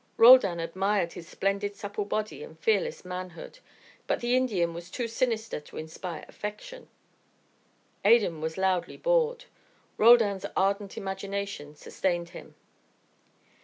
Roldan admired his splendid supple body and fearless manhood, but the Indian was too sinister to inspire affection. Adan was loudly bored. Roldan's ardent imagination sustained him.